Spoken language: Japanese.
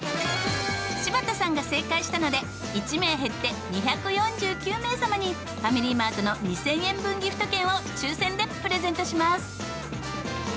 柴田さんが正解したので１名減って２４９名様にファミリーマートの２０００円分ギフト券を抽選でプレゼントします。